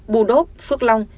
bù đốt phước long